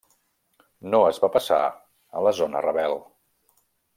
No es va passar a la zona rebel.